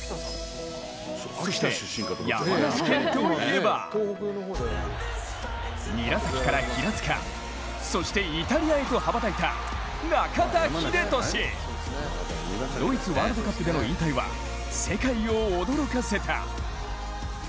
そして山梨県と言えば、韮崎から平塚、そしてイタリアへと羽ばたいた中田英寿！ドイツワールドカップでの引退は世界を驚かせた。